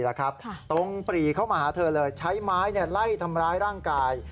ตรงปรีเข้ามาหาเธอเลยใช้ไม้ไล่ทำร้ายร่างกาย